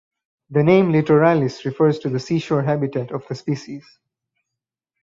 The name "litoralis" refers to the seashore habitat of the species.